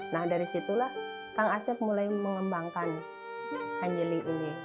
nah dari situlah kang asef mulai mengembangkan hanjeli ini jadi olahan